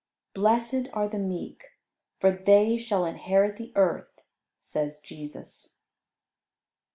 "Blessed are the meek, for they shall inherit the earth," says Jesus.